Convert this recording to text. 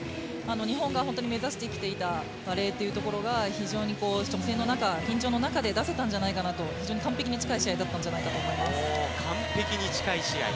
日本が目指してきていたバレーというところが非常に初戦の緊張の中で出せたんじゃないかと完璧に近い試合だったんじゃないかと完璧に近い試合。